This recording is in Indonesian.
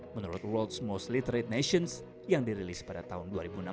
menurut worlds most literate nations yang dirilis pada tahun dua ribu enam belas